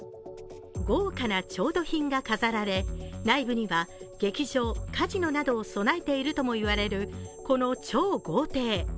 豪華な調度品が飾られ内部には劇場、カジノなどを備えていると言われる、この超豪邸。